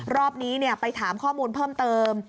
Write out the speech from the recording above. รอบนี้ไปถามข้อมูลเพิ่มเติม